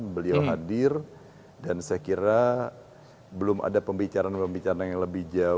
beliau hadir dan saya kira belum ada pembicaraan pembicaraan yang lebih jauh